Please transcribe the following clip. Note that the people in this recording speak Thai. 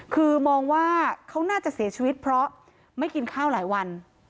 คือมองว่าเขาน่าจะเสียชีวิตเพราะไม่กินข้าวหลายวัน